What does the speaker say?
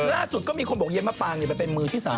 ล่าสุดก็มีคนบอกยายมะปางไปเป็นมือที่๓